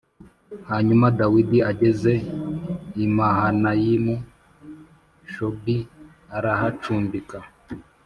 hanyuma dawidi ageze i mahanayimu shobi arahacumbika